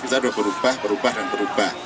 kita sudah berubah berubah dan berubah